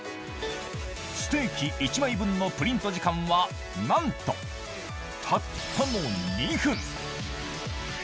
ステーキ１枚分のプリント時間は、なんとたったの２分。